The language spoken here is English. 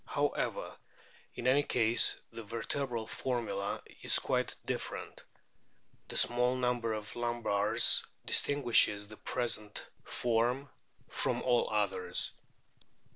However, in any case the vertebral formula is quite different ; the small number of lumbars distinguishes the present form from all others.